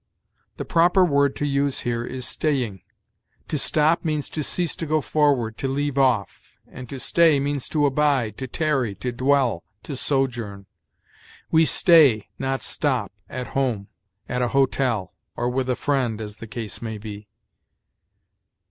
The proper word to use here is staying. To stop means to cease to go forward, to leave off; and to stay means to abide, to tarry, to dwell, to sojourn. We stay, not stop, at home, at a hotel, or with a friend, as the case may be.